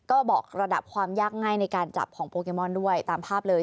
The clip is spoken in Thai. ก็บอกระดับความยากง่ายในการจับของโปเกมอนด้วยตามภาพเลย